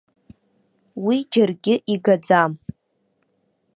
Уи џьаргьы игаӡам.